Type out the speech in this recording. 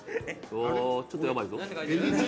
おちょっとやばいぞ。